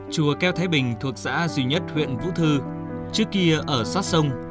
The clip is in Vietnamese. chùa keo thái bình thuộc xã duy nhất huyện vũ thư trước kia ở sát sông